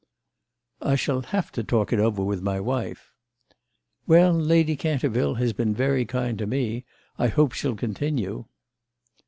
"I shall have to talk it over with my wife." "Well, Lady Canterville has been very kind to me; I hope she'll continue."